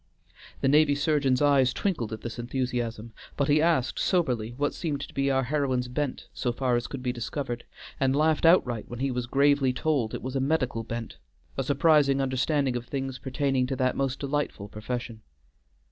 The navy surgeon's eyes twinkled at this enthusiasm, but he asked soberly what seemed to be our heroine's bent, so far as could be discovered, and laughed outright when he was gravely told that it was a medical bent; a surprising understanding of things pertaining to that most delightful profession.